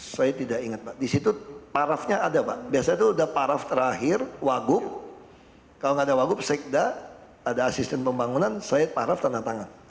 saya tidak ingat pak di situ parafnya ada pak biasanya itu sudah paraf terakhir wagub kalau nggak ada wagub sekda ada asisten pembangunan saya paraf tanda tangan